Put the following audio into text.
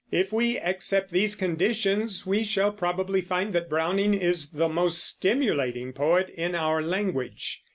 If we accept these conditions, we shall probably find that Browning is the most stimulating poet in our language.